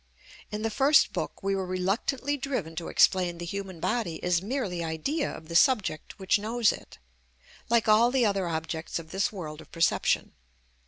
In the first book we were reluctantly driven to explain the human body as merely idea of the subject which knows it, like all the other objects of this world of perception.